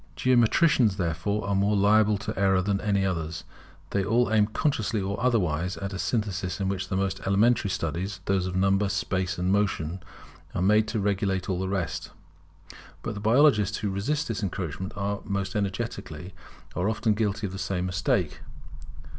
Geometricians, therefore, are more liable to the error than any others; they all aim consciously or otherwise at a synthesis in which the most elementary studies, those of Number, Space, and Motion, are made to regulate all the rest. But the biologists who resist this encroachment most energetically, are often guilty of the same mistake.